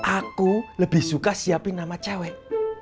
aku lebih suka siapin nama cewek